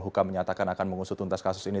buka menyatakan akan mengusutuntas kasus ini